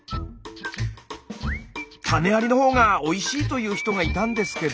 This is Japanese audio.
「種ありの方がおいしい」と言う人がいたんですけど。